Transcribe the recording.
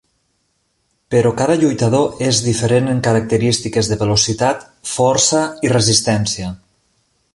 Però cada lluitador és diferent en característiques de velocitat, força i resistència.